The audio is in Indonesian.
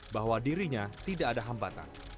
bahwa dirinya tidak ada hambatan